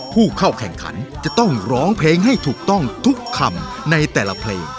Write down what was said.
ผู้เข้าแข่งขันจะต้องร้องเพลงให้ถูกต้องทุกคำในแต่ละเพลง